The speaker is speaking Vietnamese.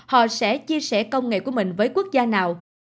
họ sẽ chia sẻ công nghệ của mình với quốc gia nào